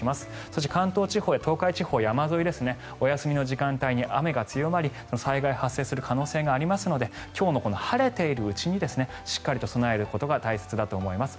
そして関東地方や東海地方の山沿いはお休みの時間帯に雨が強まり災害が発生する可能性がありますので今日の晴れているうちにしっかりと備えることが大切だと思います。